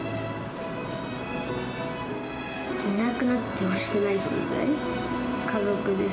いなくなってほしくない存在。